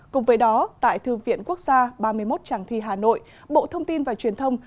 cùng với đó tại thư viện quốc gia ba mươi một tràng thi hà nội bộ thông tin và truyền thông